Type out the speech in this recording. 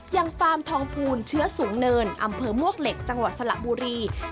ฟาร์มทองภูลเชื้อสูงเนินอำเภอมวกเหล็กจังหวัดสระบุรี